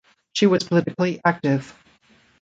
She was politically active.